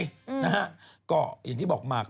อืมอืมนะฮะก็อย่างที่บอกมาก